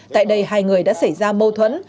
tại đây hai người đã xảy ra mâu thuẫn